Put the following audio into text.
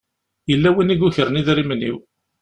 Yella win i yukren idrimen-iw.